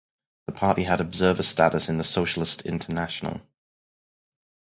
The party had observer status in the Socialist International.